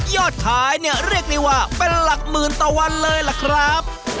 ยอดขายเนี่ยเรียกได้ว่าเป็นหลักหมื่นต่อวันเลยล่ะครับ